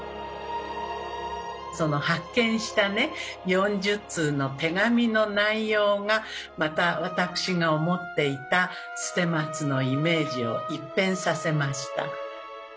その発見した４０通の手紙の内容がまた私が思っていた捨松のイメージを一変させました。